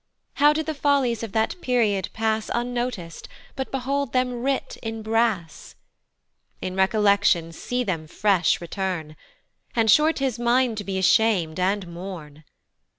How did the follies of that period pass Unnotic'd, but behold them writ in brass! In Recollection see them fresh return, And sure 'tis mine to be asham'd, and mourn.